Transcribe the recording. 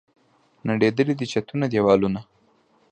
نړېدلي دي چتونه، دیوالونه